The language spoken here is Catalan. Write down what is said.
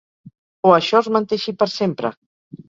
O això és manté així per sempre?